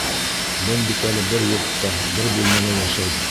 Беҙ бит әле бер йортта, бер бүлмәлә йәшәйбеҙ.